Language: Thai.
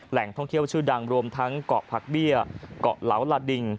แหล่งท่องเที่ยวชื่อดังรวมทั้งเกาะผักเบี้ยเกาะเหลาลาดิง